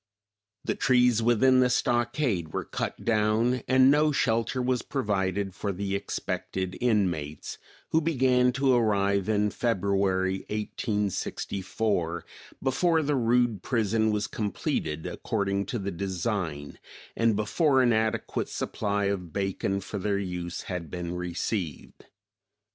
The trees within the stockade were cut down and no shelter was provided for the expected inmates, who began to arrive in February, 1864, before the rude prison was completed according to the design, and before an adequate supply of bacon for their use had been received.